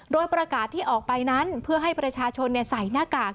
โดยประกาศที่ออกไปนั้นเพื่อให้ประชาชนใส่หน้ากาก